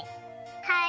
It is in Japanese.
はい。